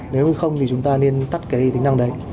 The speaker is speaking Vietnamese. nếu như không thì chúng ta nên tắt cái tính năng đấy